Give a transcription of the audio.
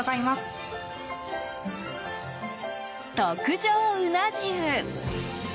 特上うな重。